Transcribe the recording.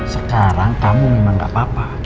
sekarang kamu memang gak apa apa